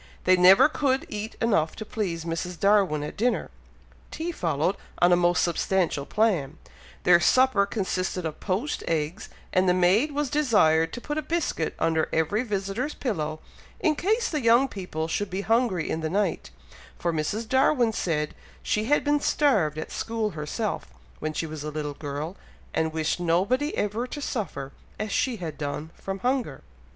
They never could eat enough to please Mrs. Darwin at dinner; tea followed, on a most substantial plan; their supper consisted of poached eggs, and the maid was desired to put a biscuit under every visitor's pillow, in case the young people should be hungry in the night, for Mrs. Darwin said she had been starved at school herself, when she was a little girl, and wished nobody ever to suffer, as she had done, from hunger.